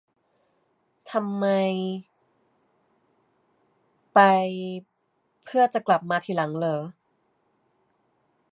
ทำไม ไป เพื่อจะกลับมาทีหลังเหรอ